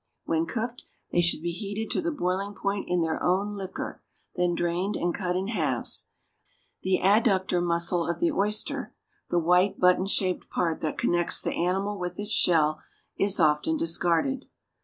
When cooked, they should be heated to the boiling point in their own liquor, then drained and cut in halves. The adductor muscle of the oyster the white, button shaped part that connects the animal with its shell is often discarded.